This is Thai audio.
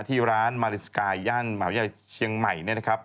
ที่ร้านมารินสกายย่านมหาวิทยาลัยเชียงใหม่เนี่ยนะครับ